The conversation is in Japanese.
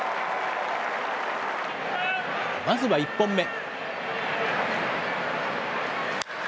まずは１本目。